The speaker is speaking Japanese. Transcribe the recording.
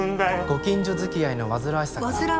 ご近所づきあいの煩わしさから。